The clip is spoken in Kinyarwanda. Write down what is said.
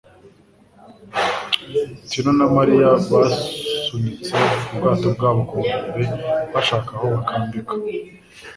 Tino na Mariya basunitse ubwato bwabo ku nkombe, bashaka aho bakambika.